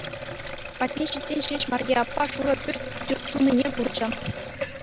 Патне ҫитсен ҫеҫ Марье аппа шурӑ пӳрт тунине курчӗ.